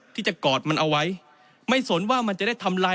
ที่จะกอดมันเอาไว้ไม่สนว่ามันจะได้ทำลาย